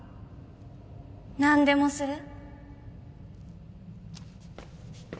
何でもする。